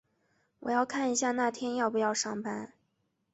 我要看一下那天要不要上班。